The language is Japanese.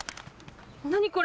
何これ。